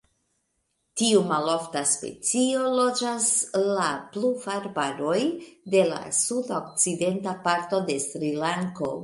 Tiu malofta specio loĝas la pluvarbaroj de la sudokcidenta parto de Srilanko.